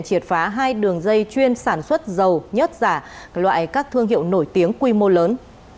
triệt phá hai đường dây chuyên sản xuất dầu nhất giả loại các thương hiệu nổi tiếng quy mô lớn